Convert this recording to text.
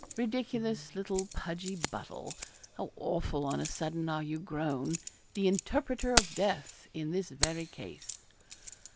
Ridiculous little pudgy Buddle how awful on a sudden are you grown the interpreter of death in this very case.